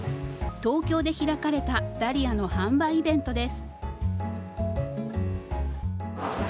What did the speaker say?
東京で開かれたダリアの販売イベントです。